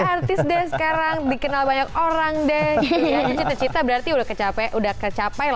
artis artis sekarang dikenal banyak orang deh cita cita berarti udah kecapai udah kecapai